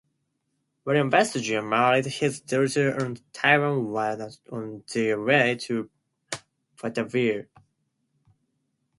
Willem Verstegen married his daughter on Taiwan while on their way to Batavia.